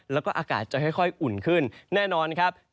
แล้วก็อากาศจะค่อยอุ่นขึ้นแน่นอนครับ